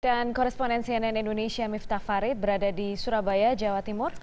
dan koresponen cnn indonesia miftah farid berada di surabaya jawa timur